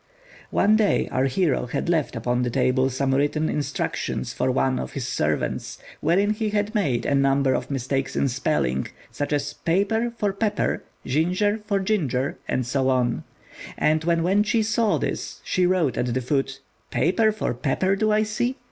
One day our hero had left upon the table some written instructions for one of the servants, wherein he had made a number of mistakes in spelling, such as paper for pepper, jinjer for ginger, and so on; and when Wên chi saw this, she wrote at the foot: "Paper for pepper do I see?